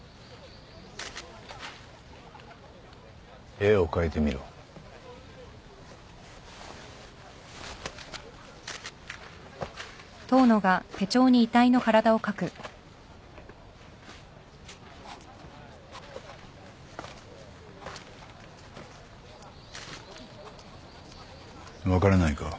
絵を描いてみろ。分からないか？